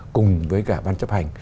cùng với cả văn chấp hành